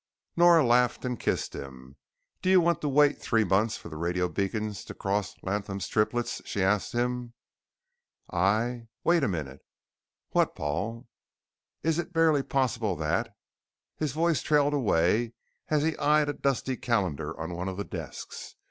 Nora laughed and kissed him. "Do you want to wait three months for the radio beams to cross Latham's Triplets?" she asked him. "I wait a minute!" "What, Paul?" "It is barely possible that " his voice trailed away as he eyed a dusty calendar on one of the desks.